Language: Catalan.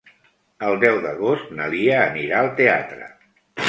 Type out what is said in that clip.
El deu d'agost na Lia anirà al teatre.